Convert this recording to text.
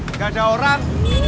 nggak ada orang